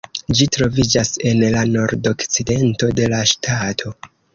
Ĝi troviĝas en la nordokcidento de la ŝtato.